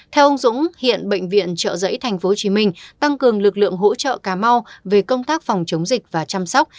theo ông dũng hiện bệnh viện trợ giấy tp hcm tăng cường lực lượng hỗ trợ cà mau về công tác phòng chống dịch và chăm sóc